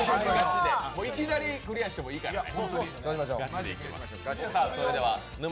いきなりクリアしてもいいからね。